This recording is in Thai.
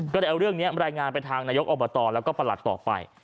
ก็เลยเอาเรื่องนี้รายงานไปทางนายกอบตแล้วก็ประหลัดต่อไป